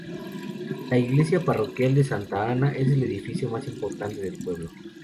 La Iglesia parroquial de Santa Ana es el edificio más importante del pueblo.